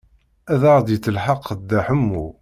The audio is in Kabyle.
Ad aɣ-d-yettelḥaq Dda Ḥemmu.